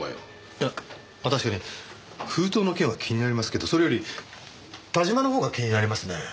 いや確かに封筒の件は気になりますけどそれより田島のほうが気になりますね。